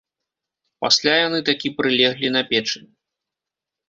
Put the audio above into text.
Пасля яны такі прылеглі на печы.